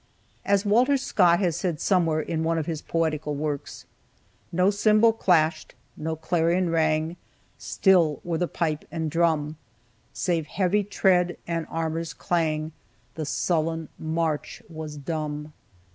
As Walter Scott has said somewhere in one of his poetical works: "No cymbal clashed, no clarion rang, Still were the pipe and drum; Save heavy tread and armor's clang, The sullen march was dumb."